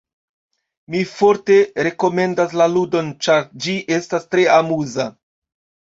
Mi forte rekomendas la ludon, ĉar ĝi estas tre amuza.